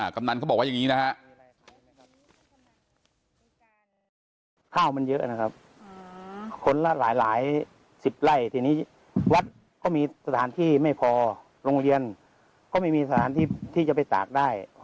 กำนันเขาบอกว่าอย่างนี้นะฮะ